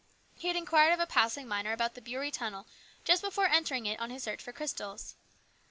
He had inquired of a passing miner about the Beury tunnel just before entering it on his search for crystals.